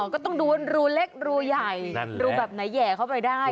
ก็ต้องดูรูเล็กรูใหญ่รูแบบไหนแห่เข้าไปได้